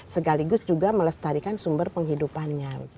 segaligus juga melestarikan sumber penghidupannya